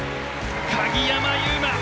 鍵山優真